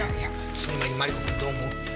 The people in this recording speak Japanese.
その前にマリコ君どう思う？